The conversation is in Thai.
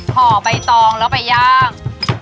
ห่อใบตองแล้วไปย่าง